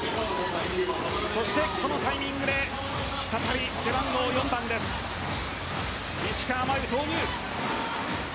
そしてこのタイミングで再び背番号４番石川真佑、投入。